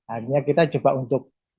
akhirnya kita coba untuk